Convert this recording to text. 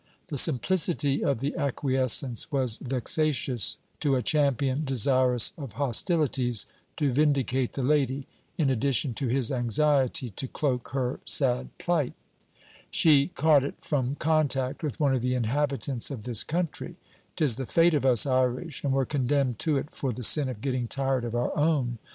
The simplicity of the acquiescence was vexatious to a champion desirous of hostilities, to vindicate the lady, in addition to his anxiety to cloak her sad plight. 'She caught it from contact with one of the inhabitants of this country. 'Tis the fate of us Irish, and we're condemned to it for the sin of getting tired of our own.